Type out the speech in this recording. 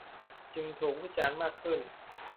จึงถูกวิจารณ์มากขึ้น